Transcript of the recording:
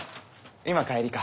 今帰りか？